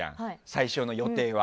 最初の予定は。